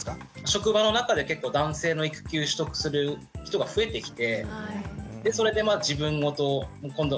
職場の中で結構男性の育休取得する人が増えてきてそれで自分事今度